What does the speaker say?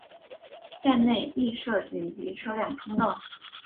该站内亦设紧急车辆通道。